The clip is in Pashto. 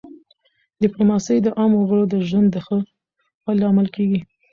ډیپلوماسي د عامو وګړو د ژوند د ښه والي لامل کېږي.